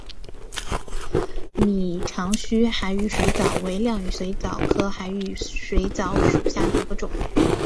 拟长须海羽水蚤为亮羽水蚤科海羽水蚤属下的一个种。